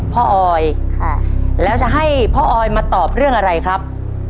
ออยแล้วจะให้พ่อออยมาตอบเรื่องอะไรครับ